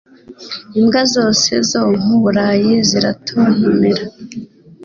Imbwa zose zo mu Burayi ziratontomera,